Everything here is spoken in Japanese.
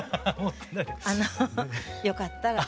あのよかったら。